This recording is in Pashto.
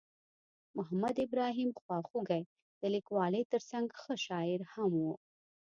محمد ابراهیم خواخوږی د لیکوالۍ ترڅنګ ښه شاعر هم ؤ.